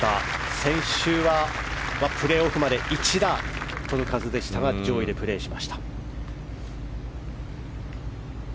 先週はプレーオフまで一打でしたが上位でプレーしました。